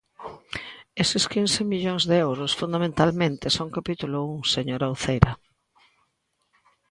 Eses quince millóns de euros, fundamentalmente, son capítulo un, señora Uceira.